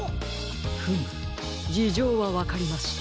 フムじじょうはわかりました。